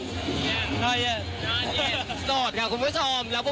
ที่สนชนะสงครามเปิดเพิ่ม